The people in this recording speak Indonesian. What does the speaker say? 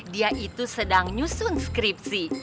dia itu sedang nyusun skripsi